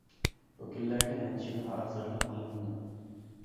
بۇ كۈنلەرگە نەچچە يىل ھازىرلىق قىلىنىدۇ.